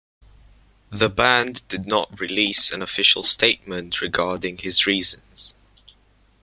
The band did not release an official statement regarding his reasons.